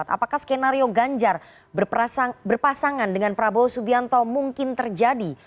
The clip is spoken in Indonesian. apakah skenario ganjar berpasangan dengan prabowo subianto mungkin terjadi